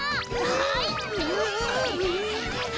はい！